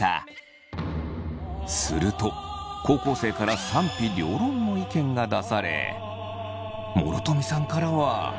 すると高校生から賛否両論の意見が出され諸富さんからは。